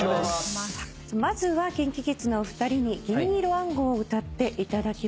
まずはＫｉｎＫｉＫｉｄｓのお二人に『銀色暗号』を歌っていただきました。